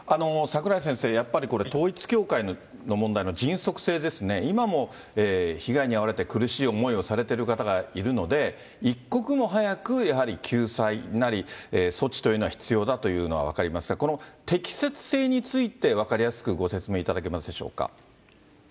櫻井先生、やっぱりこれ、統一教会の問題の迅速性ですね、今も被害に遭われて苦しい思いをされてる方がいるので、一刻も早くやはり救済なり措置というのは必要だというのは分かりますが、この適切性について分かりやすくご説明いただけますでしょうか。